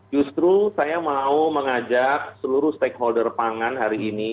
justru saya mau mengajak seluruh stakeholder pangan hari ini